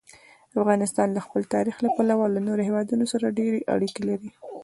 افغانستان د خپل تاریخ له پلوه له نورو هېوادونو سره ډېرې اړیکې لري.